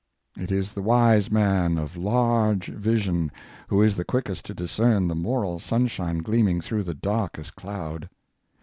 It is the wise man, of large vision, who is the quickest to discern the moral sun shine gleaming through the darkest cloud.